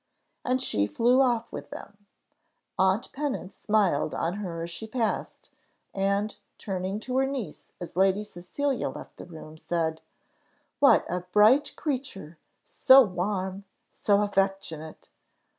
And she flew off with them. Aunt Pennant smiled on her as she passed, and, turning to her niece as Lady Cecilia left the room, said, "What a bright creature! so warm, so affectionate!"